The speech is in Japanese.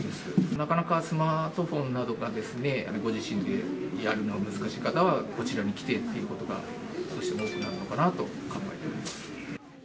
なかなかスマートフォンなどが、ご自身でやるのが難しい方はこちらに来てっていうことが、どうしても多くなるかなと考えております。